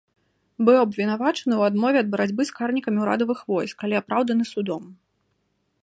Быў абвінавачаны ў адмове ад барацьбы з карнікамі ўрадавых войск, але апраўданы судом.